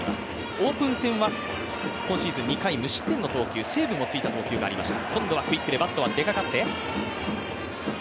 オープン戦は今シーズン２回無失点の投球、セーブもついた投球がありました。